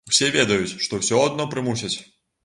Усе ведаюць, што ўсё адно прымусяць.